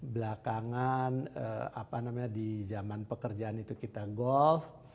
belakangan apa namanya di zaman pekerjaan itu kita golf